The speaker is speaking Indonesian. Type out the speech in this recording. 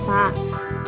kamu kenal sama rosa